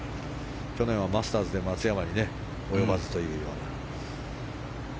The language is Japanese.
去年はマスターズで松山に及ばずという。